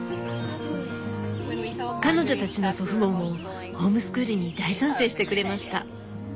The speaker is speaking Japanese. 彼女たちの祖父母もホームスクールに大賛成してくれました。